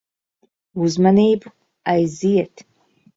Uzmanību. Aiziet.